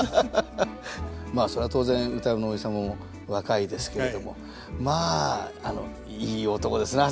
まあそれは当然歌右衛門のおじ様も若いですけれどもまあいい男ですね